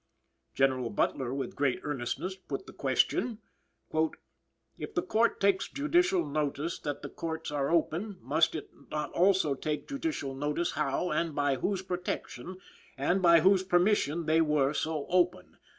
General Butler with great earnestness put the question: "If the Court takes judicial notice that the courts are open, must it not also take judicial notice how, and by whose protection, and by whose permission they were so open?